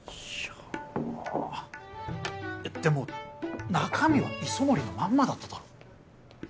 でも中身は磯森のまんまだっただろ？